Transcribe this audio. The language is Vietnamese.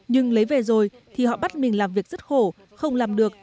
nhưng lấy về rồi thì họ bắt mình làm việc rất khổ không làm được